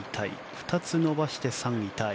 ２つ伸ばして３位タイ。